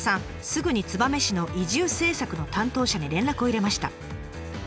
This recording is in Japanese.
すぐに燕市の移住政策の担当者に連絡を入れました。